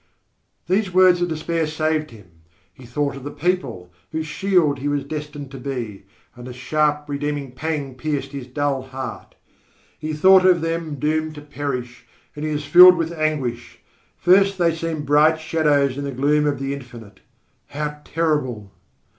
These words of despair saved him. He thought of the people, whose shield he was destined to be, and a sharp, redeeming pang pierced his dull heart. He thought of them doomed to perish, and he was filled with anguish. First they seemed bright shadows in the gloom of the Infinite. How terrible!